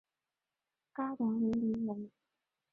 嘎达梅林人。